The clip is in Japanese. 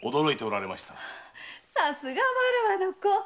さすがわらわの子。